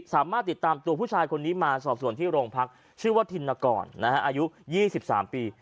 สามารถติดตามตัวผู้ชายคนนี้มาสอบส่วนที่โรงพักชื่อว่าธินกรอายุ๒๓ปี